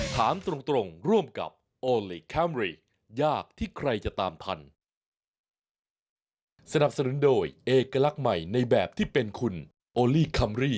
สนับสนุนโดยเอกลักษณ์ใหม่ในแบบที่เป็นคุณโอลี่คัมรี่